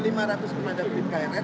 itu ada dua miliar